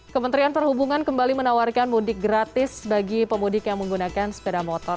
kementerian perhubungan kembali menawarkan mudik gratis bagi pemudik yang menggunakan sepeda motor